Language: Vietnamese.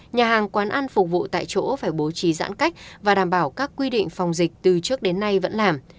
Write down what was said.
nhà hàng quán ăn phục vụ tại chỗ phải bố trí giãn cách và đảm bảo các quy định phòng dịch từ trước đến nay vẫn làm